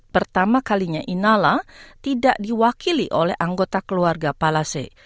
pertama kalinya inala tidak diwakili oleh anggota keluarga palace